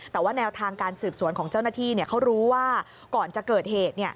แต่ว่าแนวทางการสืบสวนของเจ้าหน้าที่เขารู้ว่าก่อนจะเกิดเหตุ